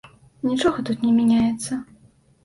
Нічога тут не мяняецца.